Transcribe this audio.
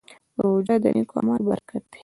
روژه د نېکو اعمالو برکت دی.